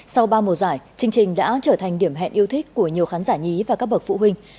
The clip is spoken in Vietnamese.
sau ba mùa giải chương trình đã trở thành điểm hẹn yêu thích của nhiều khán giả nhí và các bậc phụ huynh